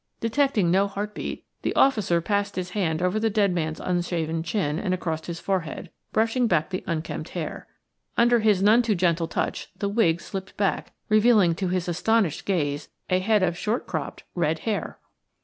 Detecting no heart beat, the officer passed his hand over the dead man's unshaven chin and across his forehead, brushing back the unkempt hair. Under his none too gentle touch the wig slipped back, revealing to his astonished gaze a head of short cropped, red hair.